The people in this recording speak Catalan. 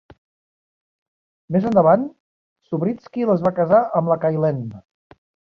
Més endavant, Subritzky les va casar amb la Kaylene.